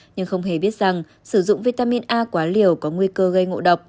nhưng không hề biết rằng sử dụng vitamin a quá liều có nguy cơ gây ngộ độc